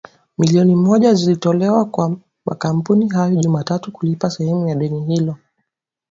milioni moja zilitolewa kwa makampuni hayo Jumatatu kulipa sehemu ya deni hilo.